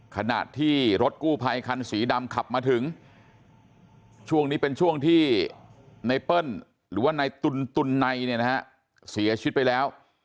ขณะที่รถกู้ภัยคันสีดำขับมาถึงช่วงนี้เป็นช่วงที่ไนเปิ้ลหรือว่าในตุนในเนี่ยนะฮะเสียชีวิตไปแล้ว